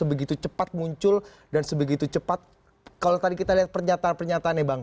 sebegitu cepat muncul dan sebegitu cepat kalau tadi kita lihat pernyataan pernyataan nih bang